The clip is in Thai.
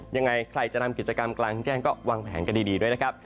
ยังไงใครจะทำกิจกรรมกลางแจ้งก็วางแผนกันดีด้วยนะครับ